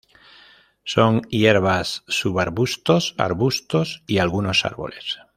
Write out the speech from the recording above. Son hierbas, subarbustos, arbustos y algunos árboles.